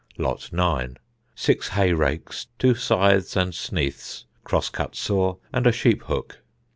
Lot 9. Six hay rakes, two scythes and sneaths, cross cut saw, and a sheep hook.